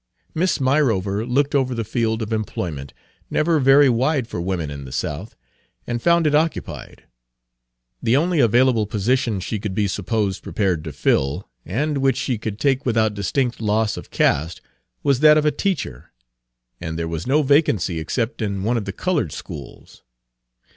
Miss Myrover looked over the field of employment, never very wide for women in the South, and found it occupied. The only available position she could be supposed prepared to fill, and which she could take without distinct loss of caste, was that of a teacher, and there was no vacancy except in one of the colored schools.